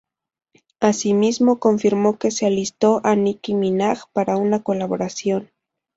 Asimismo, confirmó que se alistó a Nicki Minaj para una colaboración.